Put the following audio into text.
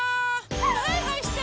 はいはいして！